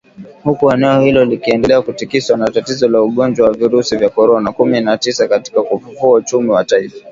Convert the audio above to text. Huku eneo hilo likiendelea kutikiswa na tatizo la ugonjwa wa virusi vya Korona kumi na tisa katika kufufua uchumi wa taifa